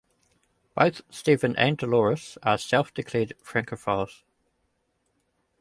Both Stephen and Delores are self declared Francophiles.